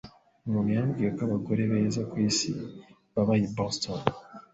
Umuntu yambwiye ko abagore beza ku isi baba i Boston.